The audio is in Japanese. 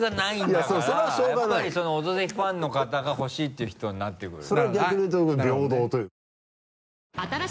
やっぱりその「オドぜひ」ファンの方がほしいっていう人になってくる。